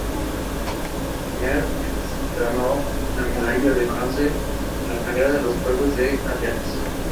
Merckx ganó la medalla de bronce en la carrera en los Juegos de Atenas.